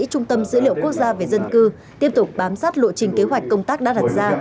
trung tâm dữ liệu quốc gia về dân cư tiếp tục bám sát lộ trình kế hoạch công tác đã đặt ra